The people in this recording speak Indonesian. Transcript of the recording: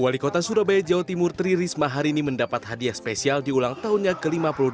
wali kota surabaya jawa timur tri risma hari ini mendapat hadiah spesial di ulang tahunnya ke lima puluh delapan